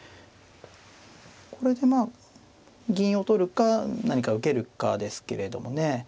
これでまあ銀を取るか何か受けるかですけれどもね。